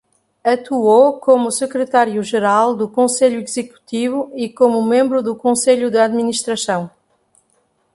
Atuou como secretário-geral do Conselho Executivo e como membro do Conselho de administração.